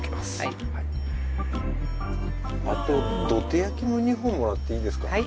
どて焼も２本もらっていいですか？